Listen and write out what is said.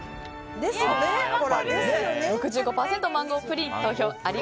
６５％、マンゴープリン。